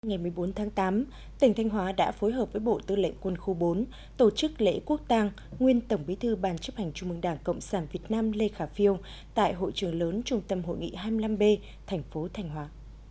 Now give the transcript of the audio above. ngày một mươi bốn tháng tám tỉnh thanh hóa đã phối hợp với bộ tư lệnh quân khu bốn tổ chức lễ quốc tàng nguyên tổng bí thư ban chấp hành trung mương đảng cộng sản việt nam lê khả phiêu tại hội trường lớn trung tâm hội nghị hai mươi năm b thành phố thanh hóa